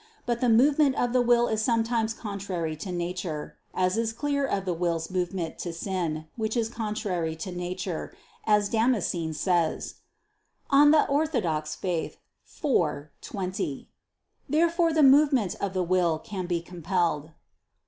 But the movement of the will is sometimes contrary to nature; as is clear of the will's movement to sin, which is contrary to nature, as Damascene says (De Fide Orth. iv, 20). Therefore the movement of the will can be compelled.